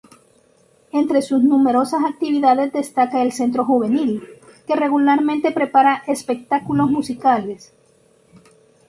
Entre sus numerosas actividades destaca el centro juvenil, que regularmente prepara espectáculos musicales.